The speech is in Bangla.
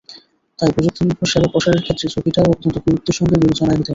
তাই প্রযুক্তিনির্ভর সেবা প্রসারের ক্ষেত্রে ঝুঁকিটাকেও অত্যন্ত গুরুত্বের সঙ্গে বিবেচনায় নিতে হবে।